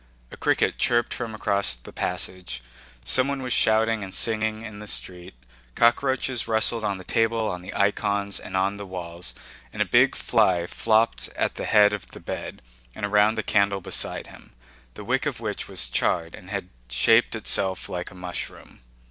A cricket chirped from across the passage; someone was shouting and singing in the street; cockroaches rustled on the table, on the icons, and on the walls, and a big fly flopped at the head of the bed and around the candle beside him, the wick of which was charred and had shaped itself like a mushroom.